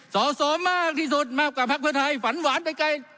สอสอมากที่สุดมากกว่าพักเพื่อไทยฝันหวานไปไกล